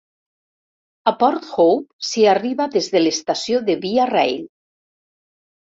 A Port Hope s'hi arriba des de l'estació de Via Rail.